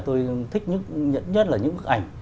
tôi thích nhất là những bức ảnh